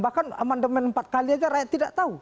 bahkan amandemen empat kali aja rakyat tidak tahu